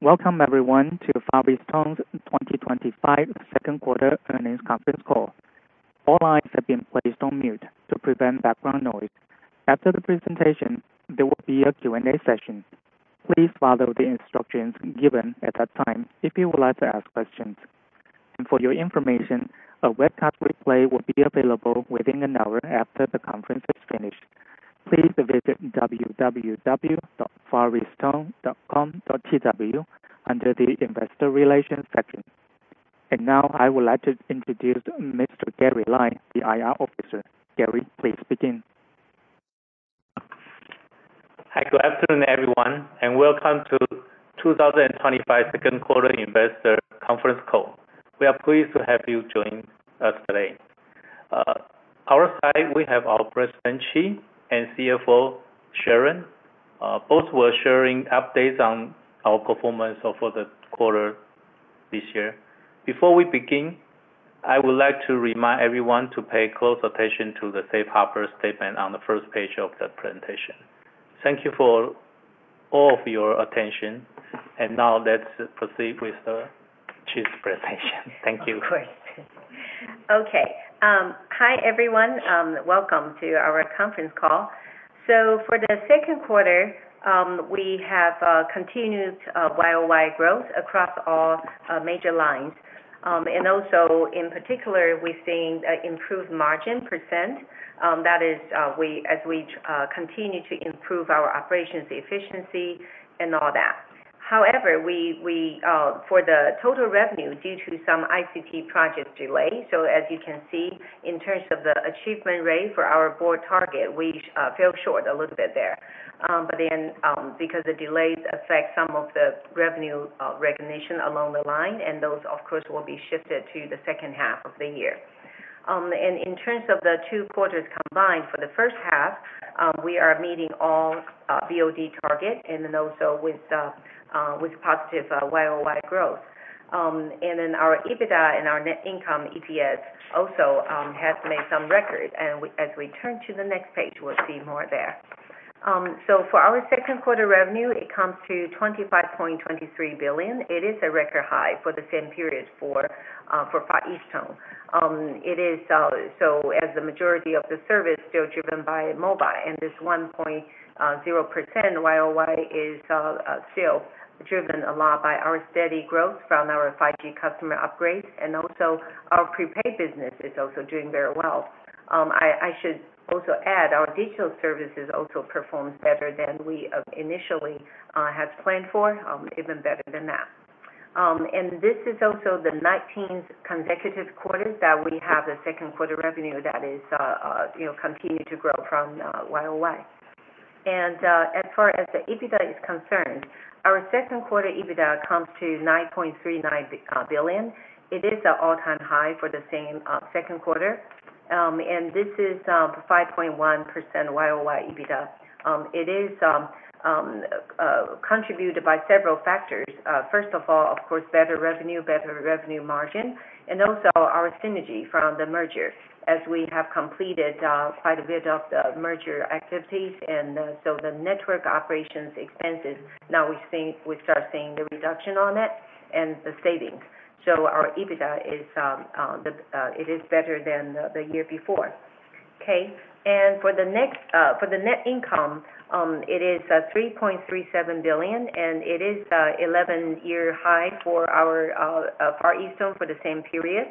Welcome everyone to Far EasTone's 2025 Second Quarter Earnings Conference Call. All lines have been placed on mute to prevent background noise. After the presentation, there will be a Q&A session. Please follow the instructions given at that time if you would like to ask questions. For your information, a webcast replay will be available within an hour after the conference is finished. Please visit www.fareastone.com.tw under the Investor Relations section. I would like to introduce Mr. Gary Lai, the IR Officer. Gary, please begin. Thanks for having everyone, and welcome to the 2025 second quarter investor conference call. We are pleased to have you join us today. On our side, we have our President Chee Ching and CFO Sharon Lin. Both were sharing updates on our performance for the quarter this year. Before we begin, I would like to remind everyone to pay close attention to the safe harbor statement on the first page of the presentation. Thank you for all of your attention. Now, let's proceed with Chee Ching's presentation. Thank you. Great. Okay. Hi, everyone. Welcome to our conference call. For the second quarter, we have continued YOY growth across all major lines. In particular, we've seen an improved margin percent. That is, as we continue to improve our operations efficiency and all that. However, for the total revenue, due to some ICT project delays, as you can see, in terms of the achievement rate for our board target, we fell short a little bit there. The delays affect some of the revenue recognition along the line, and those, of course, will be shifted to the second half of the year. In terms of the two quarters combined, for the first half, we are meeting all BOD targets, and also with positive YOY growth. Our EBITDA and our net income EPS also have made some records. As we turn to the next page, we'll see more there. For our second quarter revenue, it comes to 25.23 billion. It is a record high for the same period for Far EasTone. The majority of the service is still driven by mobile, and this 1.0% YOY is still driven a lot by our steady growth from our 5G customer upgrades. Our prepaid business is also doing very well. I should also add our digital services also perform better than we initially had planned for, even better than that. This is also the 19th consecutive quarter that we have the second quarter revenue that is, you know, continued to grow from YOY. As far as the EBITDA is concerned, our second quarter EBITDA comes to 9.39 billion. It is an all-time high for the same second quarter. This is 5.1% YOY EBITDA. It is contributed by several factors. First of all, of course, better revenue, better revenue margin, and also our synergy from the merger, as we have completed quite a bit of the merger activities. The network operations expenses, now we've seen, we start seeing the reduction on it and the savings. Our EBITDA is better than the year before. For the net income, it is 3.37 billion, and it is an 11-year high for our Far EasTone for the same period.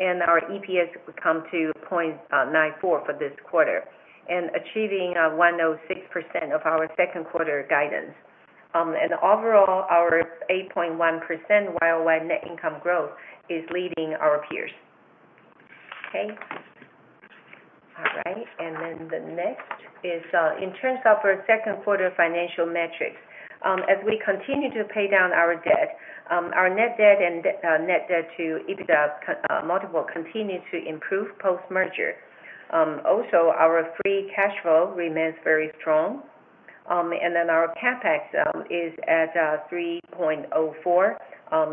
Our EPS would come to 0.94 for this quarter, and achieving 106% of our second quarter guidance. Overall, our 8.1% YOY net income growth is leading our peers. In terms of our second quarter financial metrics, as we continue to pay down our debt, our net debt and net debt to EBITDA multiple continue to improve post-merger. Also, our free cash flow remains very strong. Our CapEx is at 3.04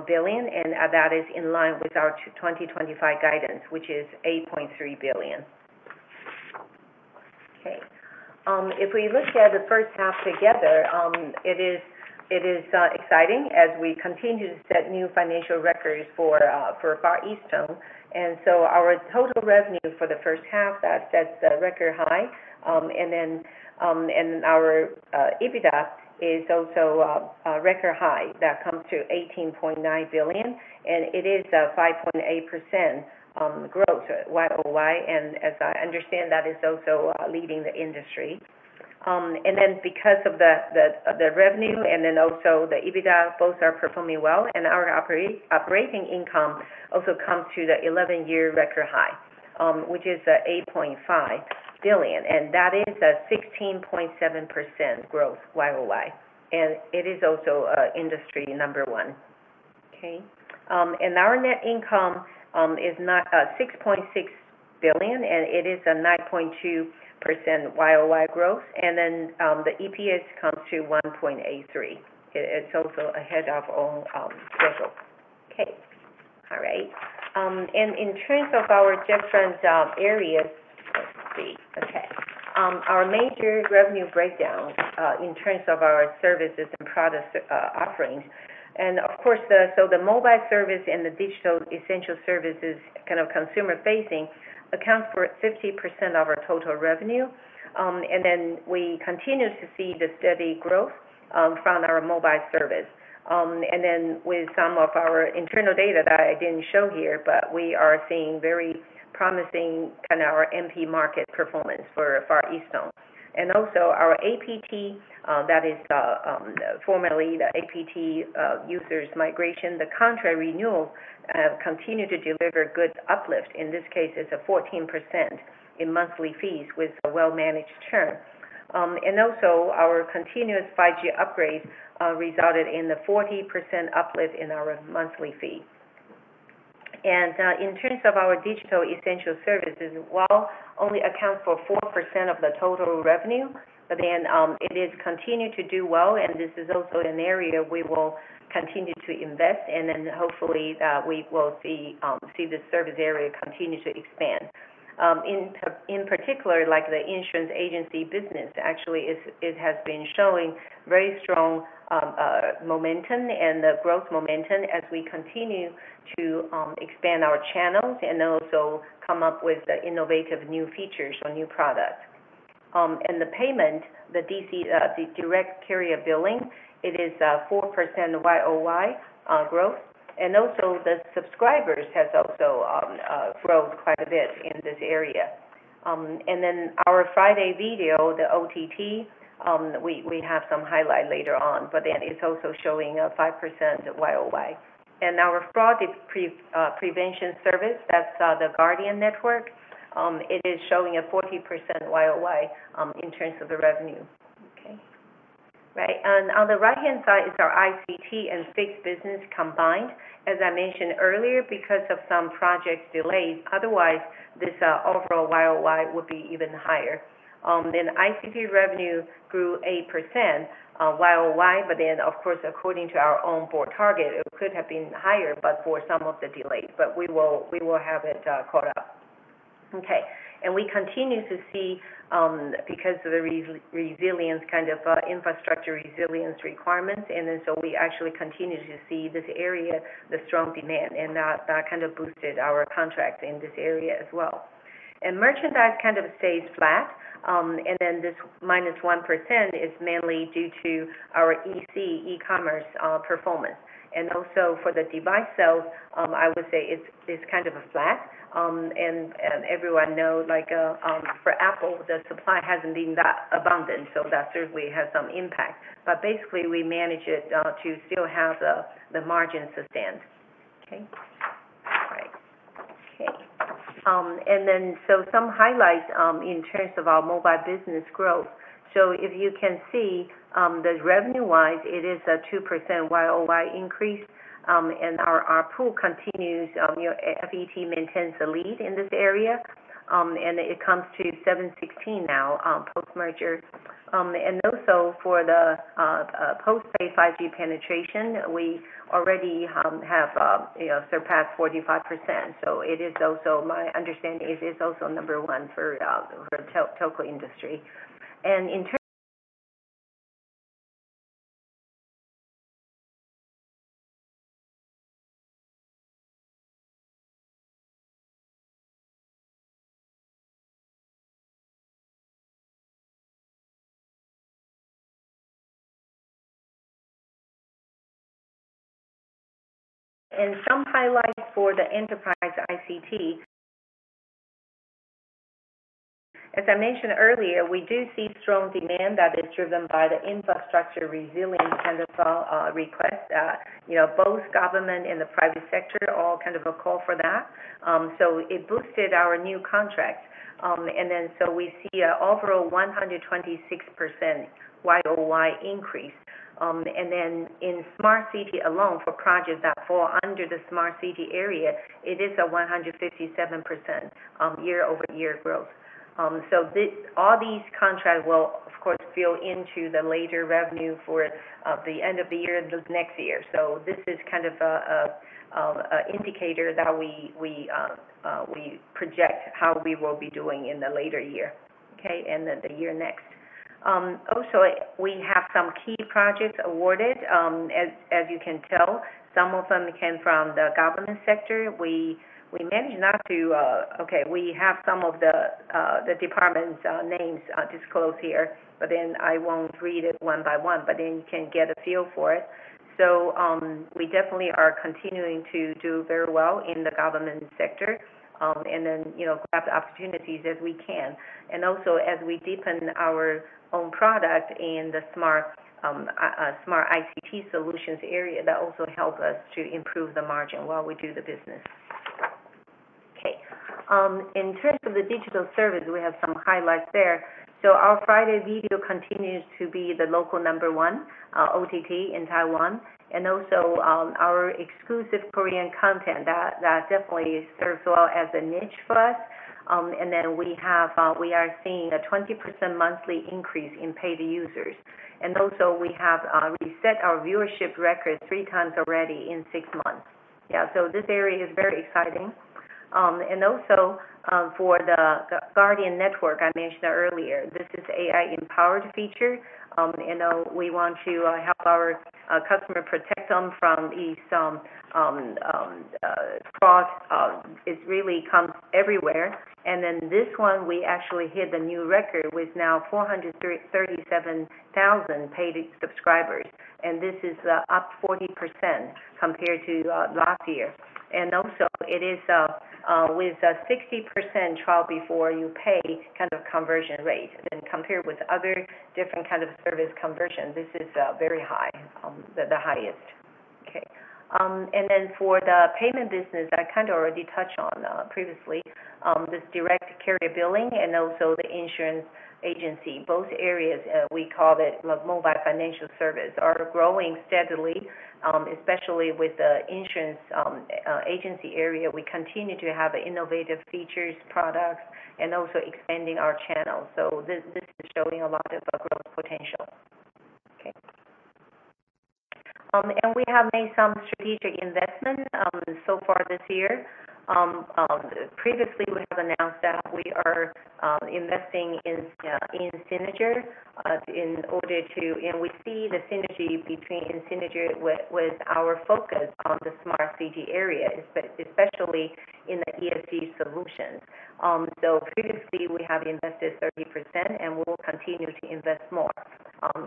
billion, and that is in line with our 2025 guidance, which is 8.3 billion. If we look at the first half together, it is exciting as we continue to set new financial records for Far EasTone Telecommunications Co. Our total revenue for the first half sets the record high. Our EBITDA is also a record high that comes to 18.9 billion, and it is a 5.8% growth YOY. As I understand, that is also leading the industry. Because of the revenue and also the EBITDA, both are performing well. Our operating income also comes to the 11-year record high, which is 8.5 billion, and that is a 16.7% growth YOY. It is also industry number one. Our net income is now 6.6 billion, and it is a 9.2% YOY growth. The EPS comes to 1.83. It's also ahead of all special. In terms of our different areas, let's see. Our major revenue breakdown in terms of our services and product offerings. Of course, the mobile service and the digital essential services, kind of consumer-facing, accounts for 50% of our total revenue. We continue to see the steady growth from our mobile service. With some of our internal data that I didn't show here, we are seeing very promising kind of our MP market performance for Far EasTone. Also, our APT, that is formerly the Asia Pacific Telecom users' migration, the contract renewal continued to deliver good uplift. In this case, it's a 14% in monthly fees with a well-managed churn. Our continuous 5G upgrades resulted in a 40% uplift in our monthly fee. In terms of our digital essential services, while it only accounts for 4% of the total revenue, it has continued to do well. This is also an area we will continue to invest in, and hopefully we will see the service area continue to expand. In particular, the insurance agency business actually has been showing very strong momentum and the growth momentum as we continue to expand our channels and also come up with innovative new features or new products. The payment, the DC, the Direct Carrier Billing, it is 4% YOY growth. The subscribers have also grown quite a bit in this area. Our friDay Video, the OTT, we have some highlights later on, but it's also showing a 5% YOY. Our fraud prevention service, that's the Guardian Network, is showing a 40% YOY in terms of the revenue. Okay. Right. On the right-hand side is our ICT and fixed business combined. As I mentioned earlier, because of some project delays, otherwise, this overall YOY would be even higher. ICT revenue grew 8% YOY, but then, of course, according to our own board target, it could have been higher, but for some of the delays. We will have it caught up. We continue to see, because of the resilience, kind of infrastructure resilience requirements. We actually continue to see this area, the strong demand, and that kind of boosted our contracts in this area as well. Merchandise kind of stays flat. This -1% is mainly due to our EC, e-commerce performance. Also, for the device sales, I would say it's kind of flat. Everyone knows, like for Apple, the supply hasn't been that abundant, so that certainly has some impact. Basically, we manage it to still have the margins sustained. All right. Some highlights in terms of our mobile business growth. If you can see, the revenue-wise, it is a 2% YOY increase. Our pool continues, you know, Far EasTone maintains the lead in this area. It comes to 716 now post-merger. Also, for the post-pay 5G penetration, we already have surpassed 45%. My understanding is it's also number one for the telco industry. In terms of some highlights for the enterprise ICT, as I mentioned earlier, we do see strong demand that is driven by the infrastructure resilience kind of request. Both government and the private sector all kind of call for that. It boosted our new contracts. We see an overall 126% YOY increase. In smart city alone for projects that fall under the smart city area, it is a 157% YOY growth. All these contracts will, of course, fill into the later revenue for the end of the year and the next year. This is kind of an indicator that we project how we will be doing in the later year. The year next. Also, we have some key projects awarded. As you can tell, some of them came from the government sector. We manage not to, we have some of the department's names disclosed here, but I won't read it one by one, but you can get a feel for it. We definitely are continuing to do very well in the government sector and grab the opportunities as we can. As we deepen our own product in the smart ICT solutions area, that also helps us to improve the margin while we do the business. In terms of the digital service, we have some highlights there. Our friDay Video continues to be the local number one OTT in Taiwan. Our exclusive Korean content definitely serves well as a niche for us. We are seeing a 20% monthly increase in paid users. We have reset our viewership record three times already in six months. This area is very exciting. For the Guardian Network, I mentioned earlier, this is an AI-empowered feature. We want to help our customers protect them from these fraud. It really comes everywhere. This one, we actually hit the new record with now 437,000 paid subscribers. This is up 40% compared to last year. It is with a 60% trial before you pay kind of conversion rate. Compared with other different kinds of service conversions, this is very high, the highest. For the payment business, I kind of already touched on previously, this Direct Carrier Billing and also the Insurance Agency. Both areas, we call it mobile financial service, are growing steadily, especially with the Insurance Agency area. We continue to have innovative features, products, and also expanding our channels. This is showing a lot of growth potential. We have made some strategic investments so far this year. Previously, we have announced that we are investing in Synergy in order to, and we see the synergy between Synergy with our focus on the smart city area, especially in the ESG solutions. Previously, we have invested 30%, and we'll continue to invest more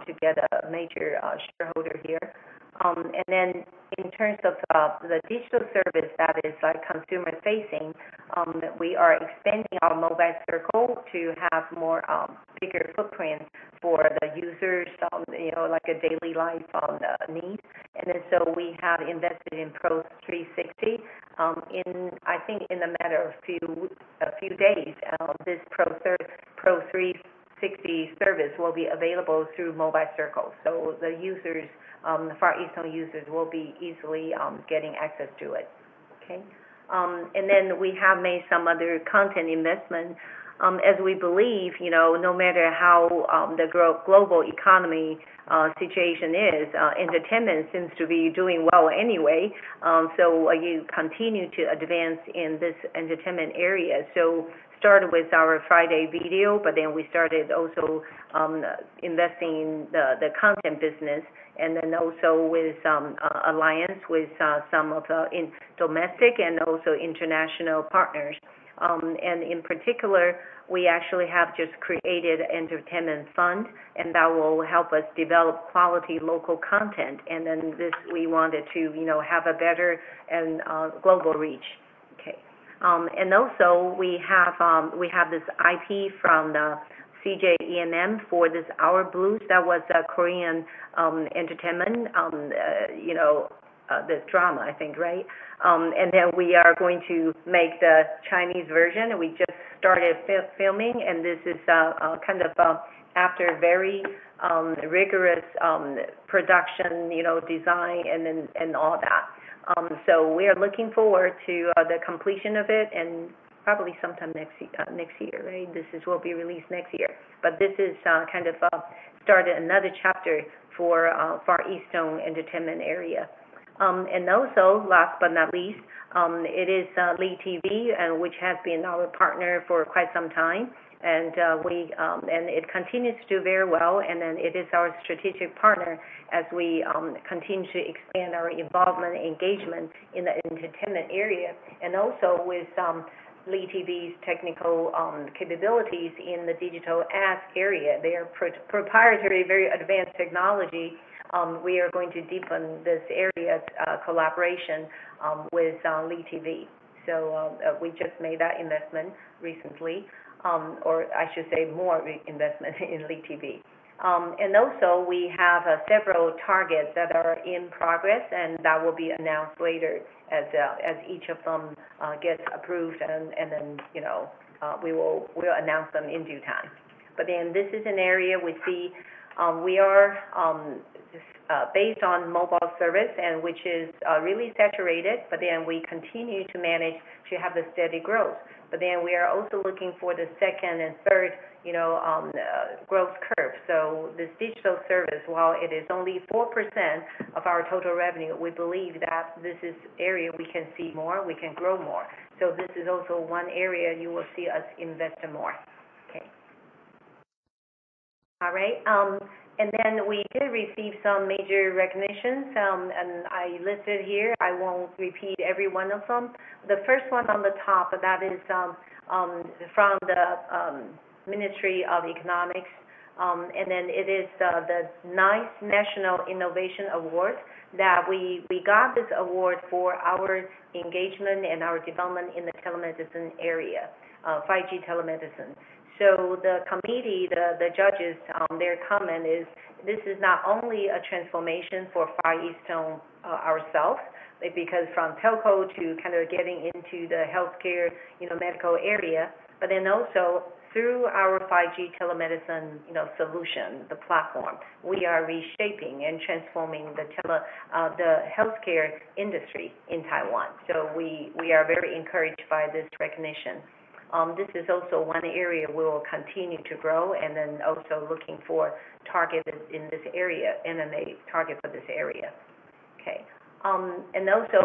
to get a major shareholder here. In terms of the digital service that is consumer-facing, we are expanding our Mobile Circle to have a bigger footprint for the users, you know, like a daily life, on the needs. We have invested in Pro360. I think in a matter of a few days, this Pro360 service will be available through Mobile Circle. The users, Far EasTone users, will be easily getting access to it. We have made some other content investments. As we believe, no matter how the global economy situation is, entertainment seems to be doing well anyway. You continue to advance in this entertainment area. Started with our friDay Video, but then we started also investing in the content business. With alliance with some of the domestic and also international partners, in particular, we actually have just created an entertainment fund, and that will help us develop quality local content. We wanted to have a better and global reach. We have this IP from CJ ENM for this Our Blues. That was a Korean entertainment drama, I think, right? We are going to make the Chinese version, and we just started filming. This is after very rigorous production design and all that. We are looking forward to the completion of it, probably sometime next year. This is what we release next year. This has started another chapter for Far EasTone entertainment area. Last but not least, it is LiTV, which has been our partner for quite some time, and it continues to do very well. It is our strategic partner as we continue to expand our involvement and engagement in the entertainment area. With LiTV's technical capabilities in the digital ads area, their proprietary, very advanced technology, we are going to deepen this area's collaboration with LiTV. We just made that investment recently, or I should say more investment in LiTV. We have several targets that are in progress, and that will be announced later as each of them gets approved. We will announce them in due time. This is an area we see, we are just based on mobile service, which is really saturated. We continue to manage to have the steady growth. We are also looking for the second and third growth curve. This digital service, while it is only 4% of our total revenue, we believe that this area we can see more, we can grow more. This is also one area you will see us invest in more. We did receive some major recognitions, and I listed here, I won't repeat every one of them. The first one on the top, that is from the Ministry of Economics. It is the NICE National Innovation Award that we got this award for our engagement and our development in the telemedicine area, 5G telemedicine. The committee, the judges, their comment is this is not only a transformation for Far EasTone ourselves, because from telco to kind of getting into the healthcare, you know, medical area, but then also through our 5G telemedicine solution, the platform, we are reshaping and transforming the healthcare industry in Taiwan. We are very encouraged by this recognition. This is also one area we will continue to grow and then also looking for targets in this area and a native target for this area.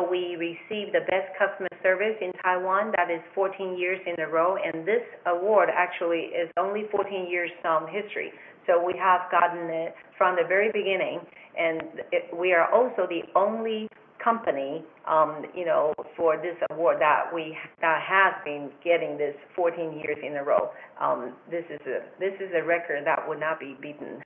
We received the best customer service in Taiwan, that is 14 years in a row. This award actually is only 14 years' history. We have gotten it from the very beginning. We are also the only company, you know, for this award that we have been getting this 14 years in a row. This is a record that will not be beaten.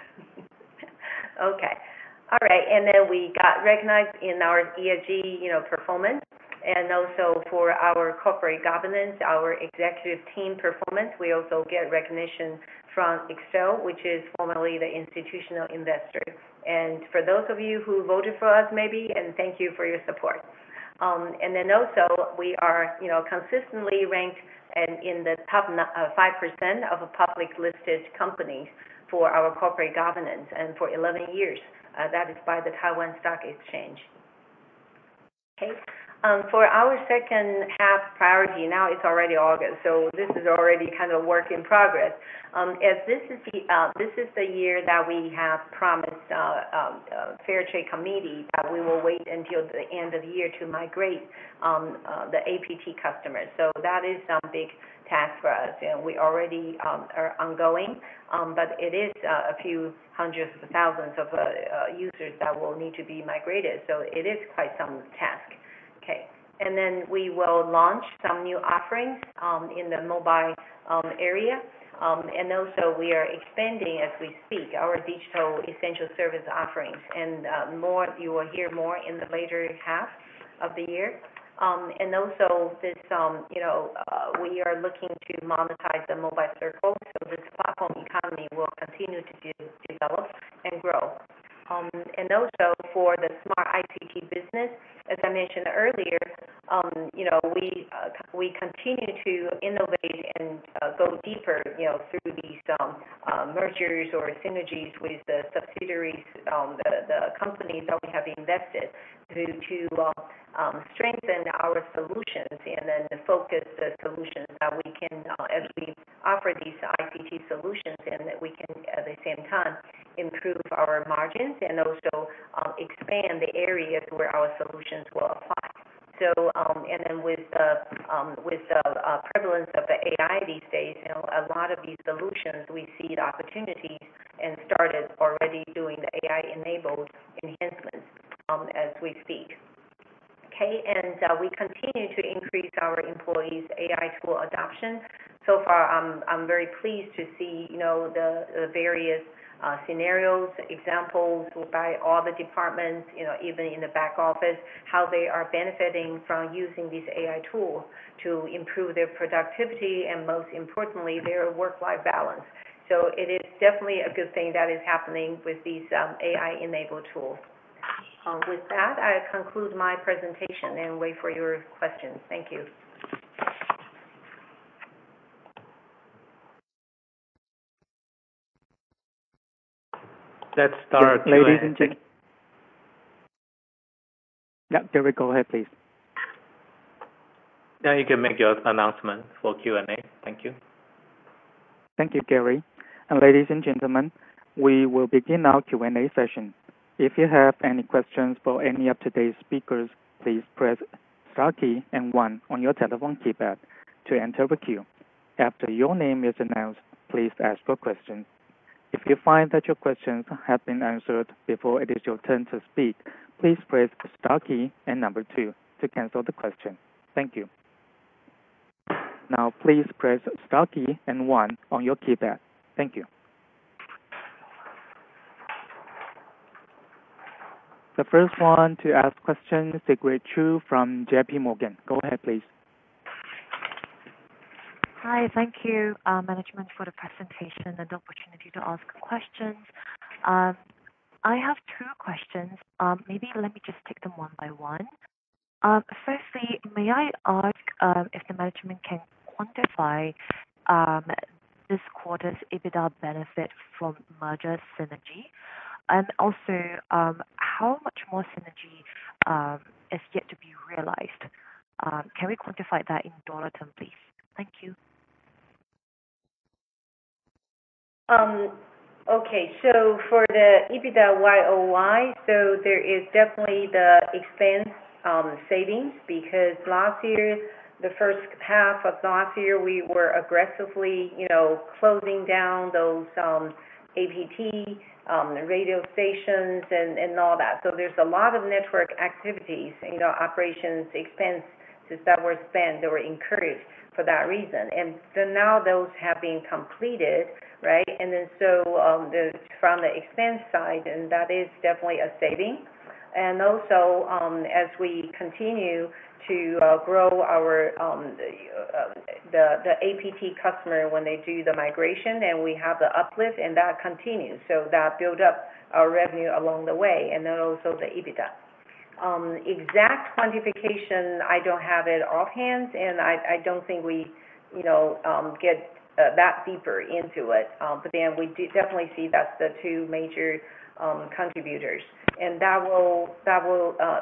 We got recognized in our ESG performance. For our corporate governance, our executive team performance, we also get recognition from Excel, which is formerly the Institutional Investor. For those of you who voted for us, maybe, and thank you for your support. We are, you know, consistently ranked in the top 5% of public listed companies for our corporate governance and for 11 years. That is by the Taiwan Stock Exchange. For our second half priority, now it's already August. This is already kind of work in progress. This is the year that we have promised Fairtrade Committee that we will wait until the end of the year to migrate the Asia Pacific Telecom customers. That is a big task for us. We already are ongoing, but it is a few hundreds of thousands of users that will need to be migrated. It is quite some task. We will launch some new offerings in the mobile area. We are expanding as we speak our digital essential service offerings. You will hear more in the later half of the year. We are looking to monetize the Mobile Circle. This platform economy will continue to develop and grow. For the smart ICT business, as I mentioned earlier, we continue to innovate and go deeper through these mergers or synergies with the subsidiaries, the companies that we have invested to strengthen our solutions and then focus the solutions that we can, as we offer these ICT solutions, and that we can at the same time improve our margins and also expand the areas where our solutions will apply. With the prevalence of AI these days, a lot of these solutions, we see the opportunity and started already doing the AI-enabled enhancements as we speak. We continue to increase our employees' AI tool adoption. So far, I'm very pleased to see the various scenarios, examples by all the departments, even in the back office, how they are benefiting from using these AI tools to improve their productivity and most importantly, their work-life balance. It is definitely a good thing that is happening with these AI-enabled tools. With that, I conclude my presentation and wait for your questions. Thank you. Let's start, ladies and gentlemen. Gary, go ahead, please. Now you can make your announcement for Q&A. Thank you. Thank you, Gary. Ladies and gentlemen, we will begin our Q&A session. If you have any questions for any of today's speakers, please press the star key and one on your telephone keypad to enter the queue. After your name is announced, please ask your question. If you find that your questions have been answered before it is your turn to speak, please press the star key and two to cancel the question. Thank you. Now, please press the star key and 1 on your keypad. Thank you. The first one to ask questions, Xia Chu from J.P. Morgan. Go ahead, please. Hi, thank you management for the presentation and the opportunity to ask questions. I have two questions. Maybe let me just take them one by one. Firstly, may I ask if the management can quantify this quarter's EBITDA benefits from merger synergy? Also, how much more synergy is yet to be realized? Can we quantify that in dollar terms, please? Thank you. Okay. For the EBITDA YOY, there is definitely the expense savings because last year, the first half of last year, we were aggressively, you know, closing down those Asia Pacific Telecom radio stations and all that. There is a lot of network activities and the operations expenses that were spent that were incurred for that reason. Now those have been completed, right? From the expense side, that is definitely a saving. Also, as we continue to grow our Asia Pacific Telecom customer when they do the migration, we have the uplift, and that continues. That builds up our revenue along the way and then also the EBITDA. Exact quantification, I don't have it offhand, and I don't think we, you know, get that deeper into it. We definitely see that's the two major contributors. That will,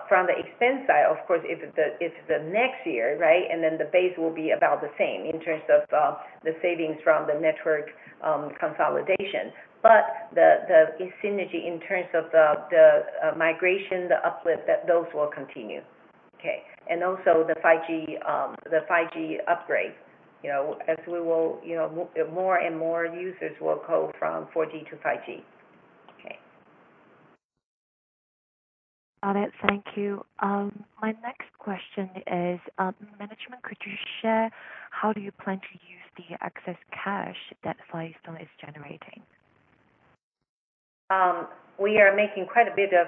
from the expense side, of course, if it's the next year, right? The base will be about the same in terms of the savings from the network consolidation. The synergy in terms of the migration, the uplift, those will continue. Also, the 5G upgrades, you know, as we will, you know, more and more users will go from 4G to 5G. Got it. Thank you. My next question is, management, could you share how do you plan to use the excess cash that Far EasTone is generating? We are making quite a bit of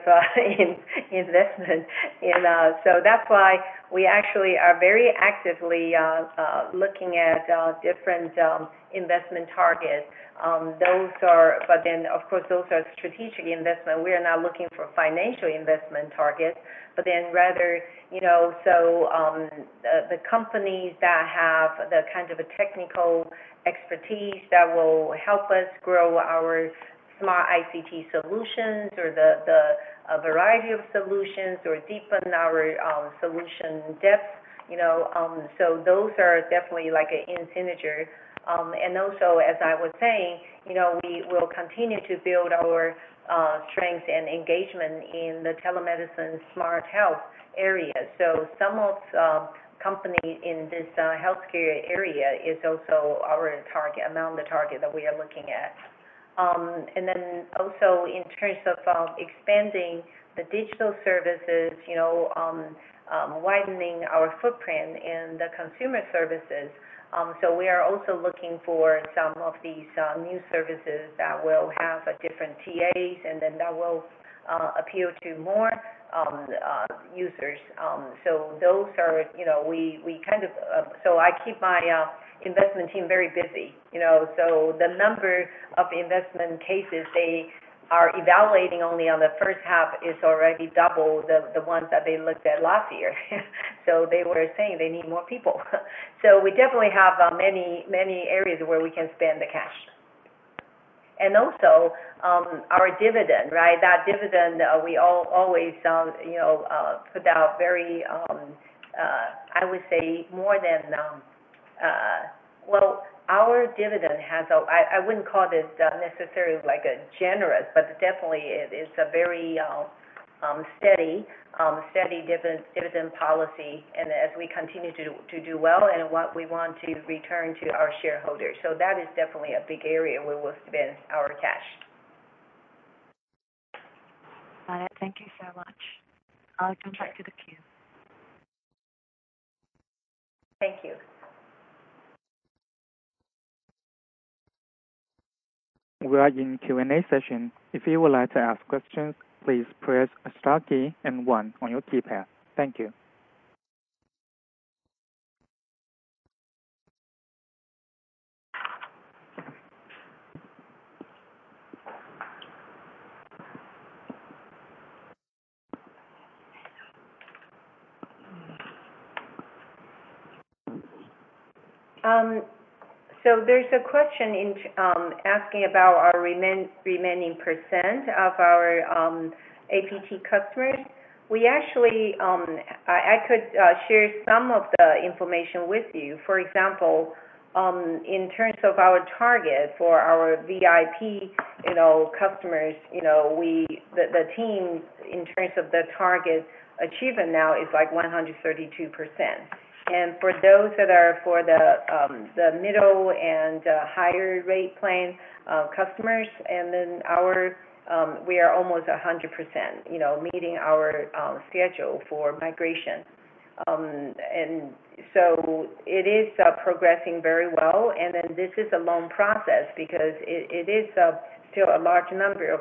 investment. That's why we actually are very actively looking at different investment targets. Those are, of course, strategic investments. We are not looking for financial investment targets. Rather, the companies that have the kind of technical expertise that will help us grow our smart ICT solutions or the variety of solutions or deepen our solution depth, those are definitely like an incentive. Also, as I was saying, we will continue to build our strengths and engagement in the telemedicine smart health area. Some of the companies in this healthcare area are also among the targets that we are looking at. In terms of expanding the digital services, widening our footprint in the consumer services, we are also looking for some of these new services that will have different TAs, and that will appeal to more users. I keep my investment team very busy. The number of investment cases they are evaluating only in the first half is already double the ones that they looked at last year. They were saying they need more people. We definitely have many areas where we can spend the cash. Also, our dividend, right? That dividend, we always put out very, I would say, more than, our dividend has, I wouldn't call this necessarily like a generous, but definitely, it's a very steady, steady dividend policy. As we continue to do well and what we want to return to our shareholders, that is definitely a big area where we'll spend our cash. Got it. Thank you so much. I'll go back to the queue. Thank you. We are in Q&A session. If you would like to ask questions, please press the star key and one on your keypad. Thank you. There's a question asking about our remaining percent of our Asia Pacific Telecom customers. I could share some of the information with you. For example, in terms of our target for our VIP customers, the team in terms of the target achievement now is like 132%. For those that are for the middle and higher rate plan customers, we are almost 100% meeting our schedule for migration. It is progressing very well. This is a long process because it is still a large number of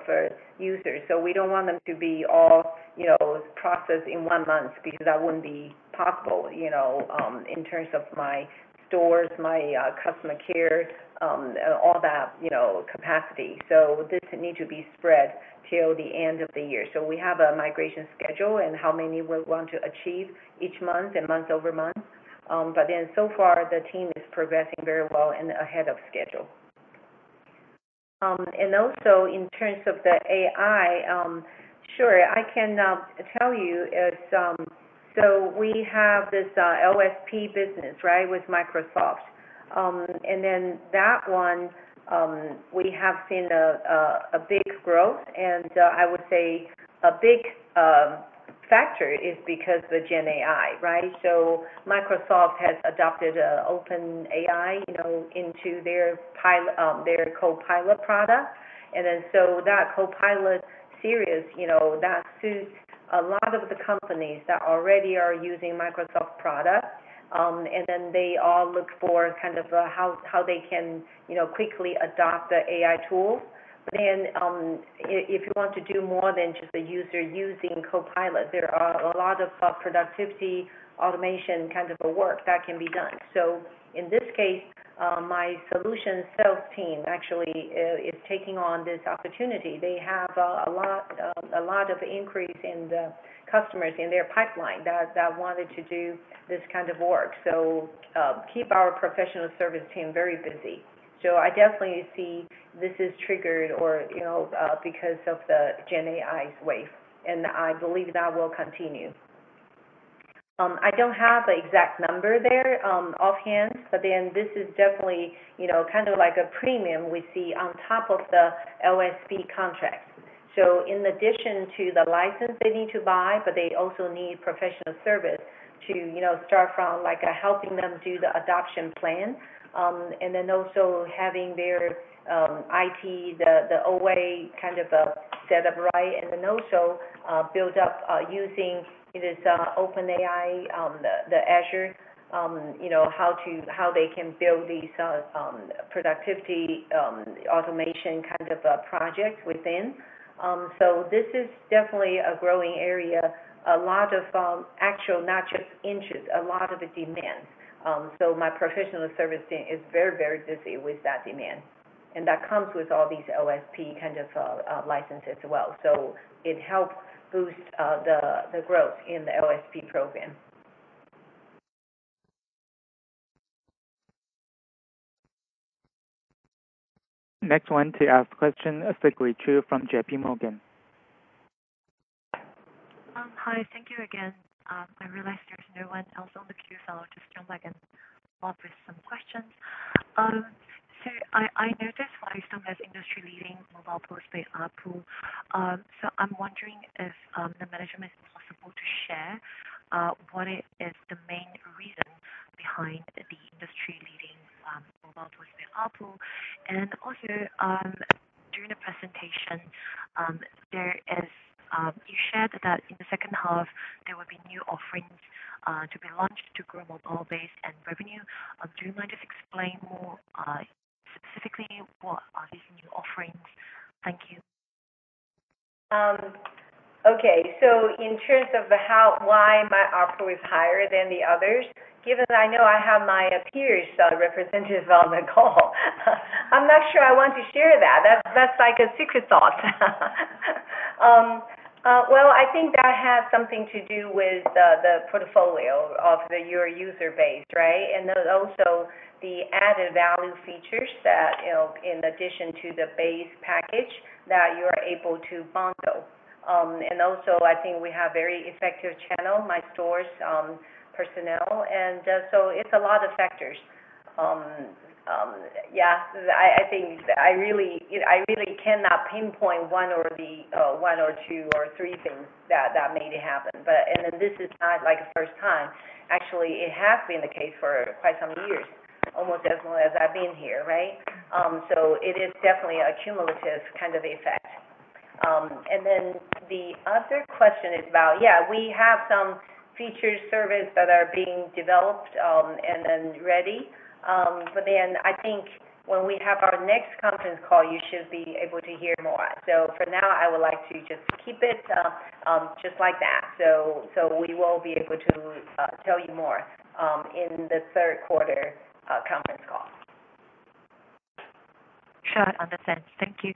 users. We don't want them to be all processed in one month because that wouldn't be possible in terms of my stores, my customer care, and all that capacity. This needs to be spread till the end of the year. We have a migration schedule and how many we want to achieve each month and month over month. So far, the team is progressing very well and ahead of schedule. In terms of the AI, I can tell you, we have this LSP business with Microsoft. That one, we have seen a big growth. I would say a big factor is because of the GenAI. Microsoft has adopted OpenAI into their copilot product. That copilot series suits a lot of the companies that already are using Microsoft products. They all look for how they can quickly adopt the AI tool. If you want to do more than just the user using copilot, there are a lot of productivity automation kind of work that can be done. In this case, my solution sales team actually is taking on this opportunity. They have a lot of increase in the customers in their pipeline that wanted to do this kind of work, so it keeps our professional service team very busy. I definitely see this is triggered or because of the GenAI's wave, and I believe that will continue. I don't have an exact number there offhand, but this is definitely kind of like a premium we see on top of the LSP contracts. In addition to the license they need to buy, they also need professional service to start from helping them do the adoption plan, and also having their IT, the OA kind of setup, and then also build up using this OpenAI, the Azure, how they can build these productivity automation kind of projects within. This is definitely a growing area. A lot of actual, not just interest, a lot of demands. My professional service team is very, very busy with that demand. That comes with all these LSP kind of licenses as well. It helps boost the growth in the LSP program. Next one to ask a question, Xia Chu from J.P. Morgan. Hi. Thank you again. I realize there's no one else on the queue, so I'll just jump back and log with some questions. I noticed Far EasTone has industry-leading mobile postpaid ARPU. I'm wondering if the management is possible to share what is the main reason behind the industry-leading mobile postpaid ARPU. Also, during the presentation, you shared that in the second half, there will be new offerings to be launched to grow mobile base and revenue. Do you mind just explain more specifically what are these new offerings? Thank you. Okay. In terms of the how, why, and by app we've hired than the others, given I know I have my peers represented on the call, I'm not sure I want to share that. That's like a secret thought. I think that has something to do with the portfolio of your user base, right? And then also the added value features that, you know, in addition to the base package that you are able to bundle. I think we have very effective channel, my stores personnel. It's a lot of factors. I really cannot pinpoint one or two or three things that made it happen. This is not like a first time. Actually, it has been the case for quite some years, almost as long as I've been here, right? It is definitely a cumulative kind of effect. The other question is about, yeah, we have some feature service that are being developed and then ready. I think when we have our next conference call, you should be able to hear more. For now, I would like to just keep it just like that. We will be able to tell you more in the third quarter conference call. Sure. Understood. Thank you.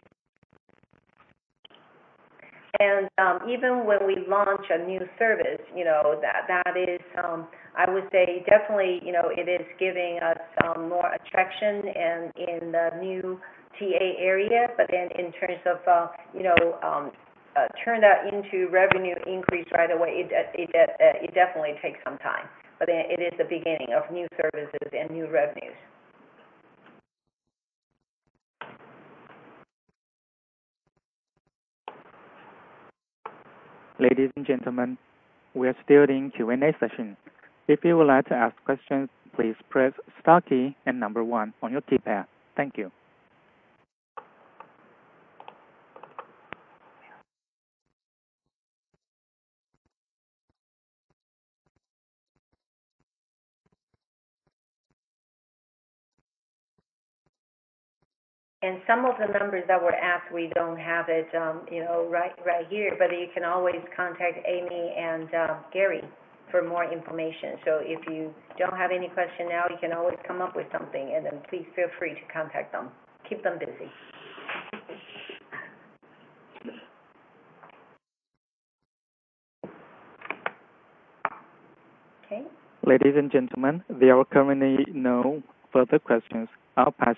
Even when we launch a new service, you know, that is, I would say, definitely, you know, it is giving us more attraction and in the new TA area. In terms of, you know, turning that into revenue increase right away, it definitely takes some time. It is the beginning of new services and new revenues. Ladies and gentlemen, we are still in Q&A session. If you would like to ask questions, please press the star key and number one on your keypad. Thank you. Some of the numbers that were asked, we don't have it right here, but you can always contact Amy and Gary for more information. If you don't have any questions now, you can always come up with something, and then please feel free to contact them. Keep them busy. Okay. Ladies and gentlemen, there are currently no further questions. I'll pass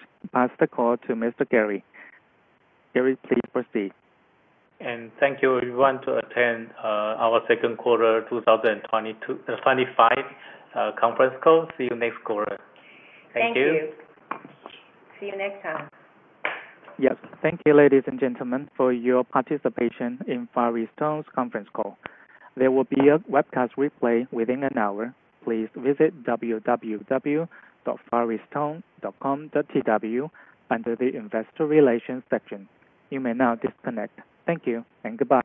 the call to Mr. Gary. Gary, please proceed. Thank you everyone for attending our second quarter 2025 conference call. See you next quarter. Thank you. Thank you. See you next time. Yes. Thank you, ladies and gentlemen, for your participation in Far EasTone Telecommunications Co.'s conference call. There will be a webcast replay within an hour. Please visit www.fareastone.com.tw under the investor relations section. You may now disconnect. Thank you and goodbye.